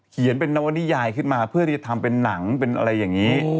เขียนเป็นนวนิยายขึ้นมาเพื่อที่จะทำเป็นหนังเป็นอะไรอย่างนี้